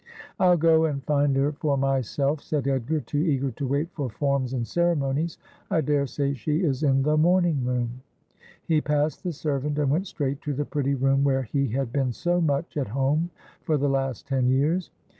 ' I'll go and find her for myself,' said Edgar, too eager to wait for forms and ceremonies ;' I daresay she is in the morning room.' He passed the servant, and went straight to the pretty room where he had been so much at home for the last ten years.